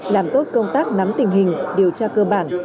làm tốt công tác nắm tình hình điều tra cơ bản